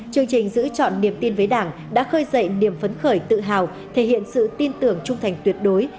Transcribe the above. chương trình giữ chọn niềm tin với đảng đã khơi dậy niềm phấn khởi tự hào thể hiện sự tin tưởng trung thành tuyệt đối